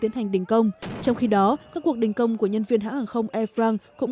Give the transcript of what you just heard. tiến hành đình công trong khi đó các cuộc đình công của nhân viên hãng hàng không air france cũng